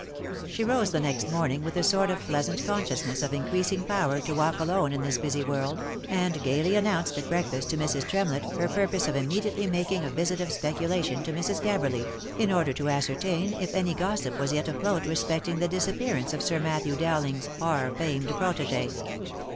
She rose, the next morning with a sort of pleasant consciousness of increasing power to walk alone in this busy world, and gaily announced at breakfast to Mrs. Tremlett her purpose of immediately making a visit of speculation to Mrs. Gabberly, in order to ascertain if any gos sip was yet afloat respecting the disappearance of Sir Matthew Dow ling's far famed protege.